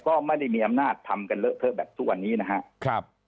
ก็ไม่ได้มีอำนาจทำกันเลอะเทอะแบบทุกวันนี้นะครับ